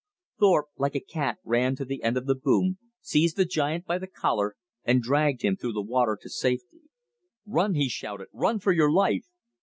Thorpe like a cat ran to the end of the boom, seized the giant by the collar, and dragged him through the water to safety. "Run!" he shouted. "Run for your life!"